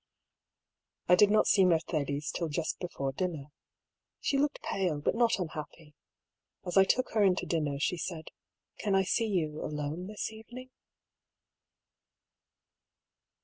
I did not see Mercedes till just before dinner. She looked pale, but not unhappy. As I took her in to dinner, she said :" Can I see you, alone, this evening?"